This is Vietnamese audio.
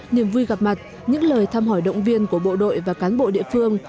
niềm vui gặp mặt những lời thăm hỏi động viên của bộ đội và cán bộ địa phương